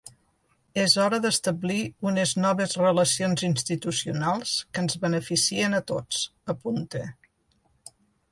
És hora d’establir una noves relacions institucionals que ens beneficien a tots, apunta.